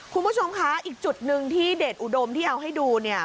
คุณผู้ชมคะอีกจุดหนึ่งที่เดชอุดมที่เอาให้ดูเนี่ย